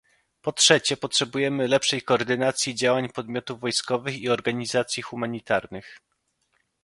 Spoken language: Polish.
Po trzecie potrzebujemy lepszej koordynacji działań podmiotów wojskowych i organizacji humanitarnych